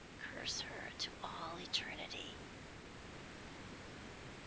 Curse her to all eternity!"